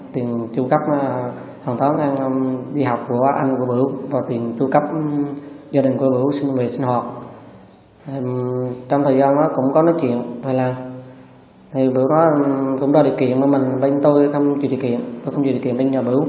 thì bữa đó cũng ra điều kiện mà mình bên tôi không chịu điều kiện tôi không chịu điều kiện bên nhà bữa